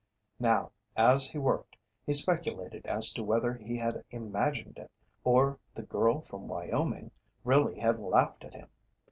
Now, as he worked, he speculated as to whether he had imagined it or "the girl from Wyoming" really had laughed at him.